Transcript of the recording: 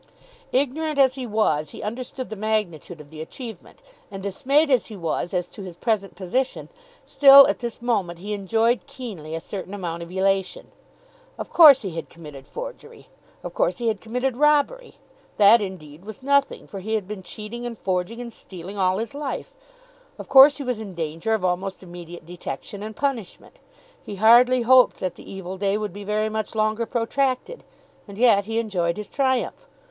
Ignorant as he was he understood the magnitude of the achievement, and dismayed as he was as to his present position, still at this moment he enjoyed keenly a certain amount of elation. Of course he had committed forgery; of course he had committed robbery. That, indeed, was nothing, for he had been cheating and forging and stealing all his life. Of course he was in danger of almost immediate detection and punishment. He hardly hoped that the evil day would be very much longer protracted, and yet he enjoyed his triumph.